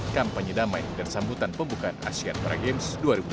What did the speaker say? kampanye damai dan sambutan pembukaan asian para games dua ribu delapan belas